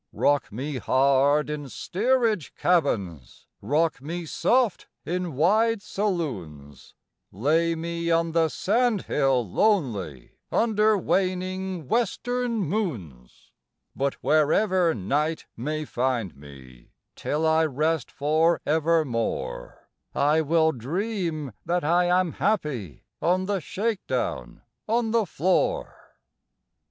Rock me hard in steerage cabins, Rock me soft in first saloons, Lay me on the sandhill lonely Under waning Western moons ; But wherever night may find me Till I rest for evermore I shall dream that I am happy In the shakedown on the floor.